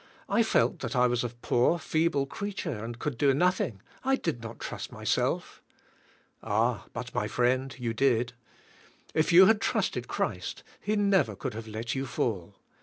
I felt that I was a poor feeble creature and could do nothing. I did not trust myself." Ah, but my friend you did. If you had trusted Christ, He never could have let you fall.